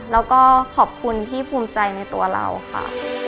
แล้วก็ขอบคุณที่ภูมิใจในตัวเราค่ะ